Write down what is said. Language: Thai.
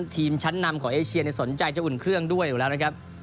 ทีมชั้นนำของเอเชียสนใจจะอุ่นเครื่องด้วยอยู่แล้วนะครับ